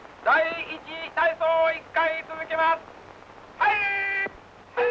「はい！」。